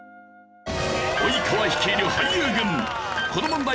及川率いる俳優軍この問題